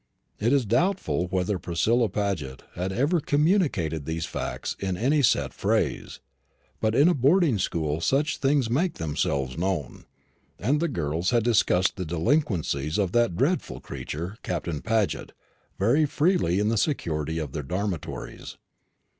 It is doubtful whether Priscilla Paget had ever communicated these facts in any set phrase, but in a boarding school such things make themselves known, and the girls had discussed the delinquencies of that dreadful creature, Captain Paget, very freely in the security of their dormitories.